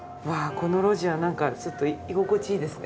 この路地はなんかちょっと居心地いいですね。